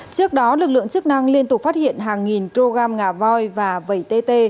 trước đó lực lượng chức năng liên tục phát hiện hàng nghìn kg ngả voi và vầy tê tê